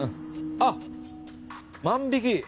あっ万引き。